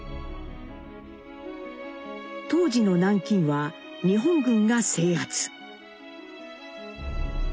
当時の南京は日本軍が制圧。